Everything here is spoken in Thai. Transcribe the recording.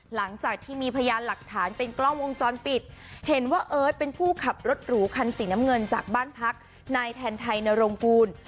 หลังจากที่มีพยานหลักฐานเป็นกล้องวงจรปิดเห็นว่าเอิร์ทเป็นผู้ขับรถหรูคันสีน้ำเงินจากบ้านพักนายแทนไทยนรงกูล